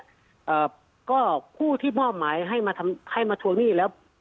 อ่าก็ผู้ที่มอบหมายให้มาทำให้มาทวงหนี้แล้ว